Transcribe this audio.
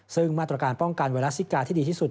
ซึ่งมาตรการป้องกันไวรัสซิกาที่ดีที่สุด